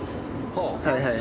はいはいはいはい。